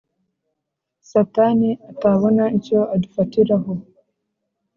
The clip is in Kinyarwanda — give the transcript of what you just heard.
Satani atabona icyo adufatiraho